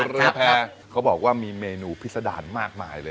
เรือแพร่เขาบอกว่ามีเมนูพิษดารมากมายเลย